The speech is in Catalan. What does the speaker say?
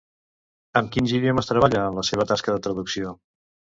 Amb quins idiomes treballa en la seva tasca de traducció?